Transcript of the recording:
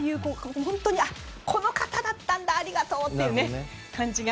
この方だったんだありがとうっていう感じが。